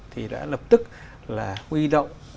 thì đã lập tức là huy động